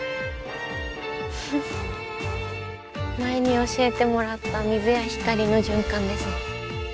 前に教えてもらった水や光の循環ですね。